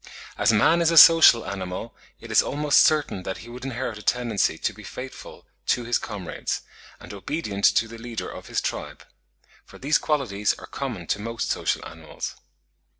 As man is a social animal, it is almost certain that he would inherit a tendency to be faithful to his comrades, and obedient to the leader of his tribe; for these qualities are common to most social animals.